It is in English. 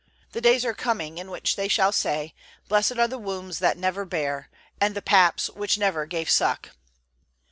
The days are coming, in which they shall say: Blessed are the wombs that never bare, and the paps which never gave suck."